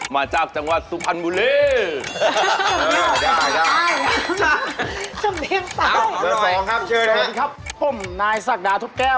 มาดีค่ะ